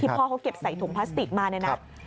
พ่อเขาเก็บใส่ถุงพลาสติกมาเนี่ยนะ